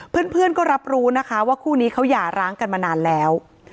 เพื่อนก็รับรู้นะคะว่าคู่นี้เขาหย่าร้างกันมานานแล้ว